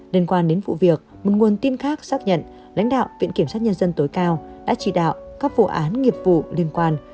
liên quan đến vụ việc một nguồn tin khác xác nhận lãnh đạo viện kiểm sát nhân dân tối cao đã chỉ đạo các vụ án nghiệp vụ liên quan